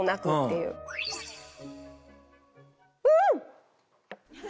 うん！